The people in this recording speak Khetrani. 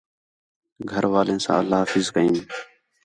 گھر والیں ساں اللہ حافظ کئیم